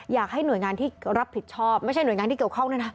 อยากให้หน่วยงานที่รับผิดชอบไม่ใช่หน่วยงานที่เกี่ยวข้องด้วยนะ